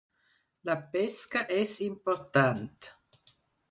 La pesca és important.